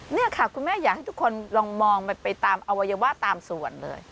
นี่ค่ะคุณแม่อยากให้ทุกคนลองมองไปตามอวัยวะตามส่วนเลย